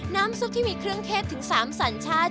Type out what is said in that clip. น้ำซุปที่มีเครื่องเทศถึง๓สัญชาติ